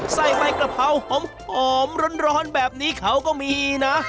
ใส่ใบกระเพราหอมร้อนแบบนี้เขาก็มีนะ